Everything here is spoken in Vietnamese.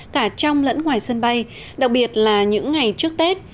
cả trong lẫn ngoài sân bay đặc biệt là những ngày trước tết